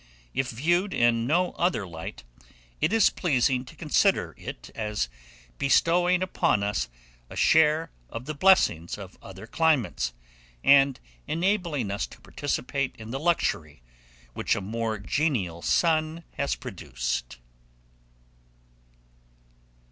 If viewed in no other light, it is pleasing to consider it as bestowing upon us a share of the blessings of other climates, and enabling us to participate in the luxury which a more genial sun has produced.